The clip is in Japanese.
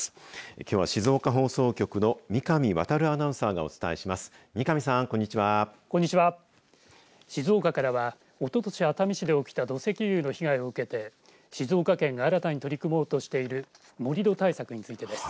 きょうは静岡放送局の三上弥アナウンサーがお伝えします。